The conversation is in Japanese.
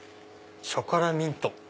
「ショコラミント」。